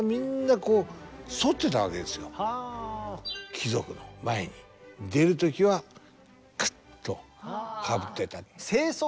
貴族の前に出る時はくっとかぶってた。